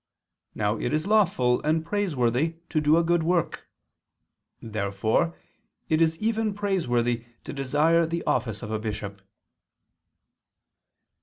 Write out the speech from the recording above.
Now it is lawful and praiseworthy to desire a good work. Therefore it is even praiseworthy to desire the office of a bishop.